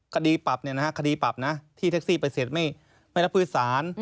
คดีปรับคดีปรับนะที่แท็กซี่ไปเสร็จไม่รับพื้นสาร